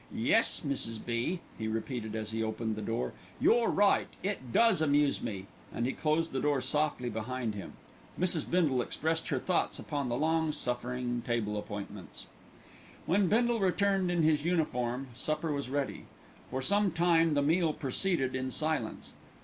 Yes! Mrs. B.," he repeated as he opened the door, "you're right; it does amuse me," and he closed the door softly behind him. Mrs. Bindle expressed her thoughts upon the long suffering table appointments. When Bindle returned in his uniform, supper was ready. For some time the meal proceeded in silence.